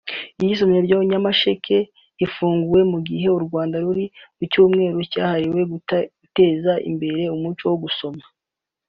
Iri somero rya Nyamasheke rifunguwe mu gihe u Rwanda ruri mu Cyumweru cyahariwe guteza imbere umuco wo gusoma